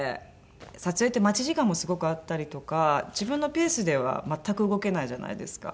撮影って待ち時間もすごくあったりとか自分のぺースでは全く動けないじゃないですか。